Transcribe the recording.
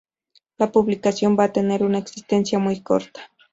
La publicación va a tener una existencia muy corta.